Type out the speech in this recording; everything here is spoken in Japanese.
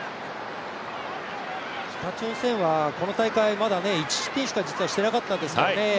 北朝鮮はこの大会、まだ１失点しか実はしていないんですね。